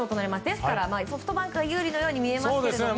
ですからソフトバンクが有利のようにみえますけれども。